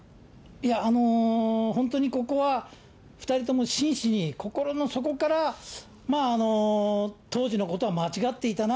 いや、本当にここは、２人とも真摯に心の底から、当時のことは間違っていたな、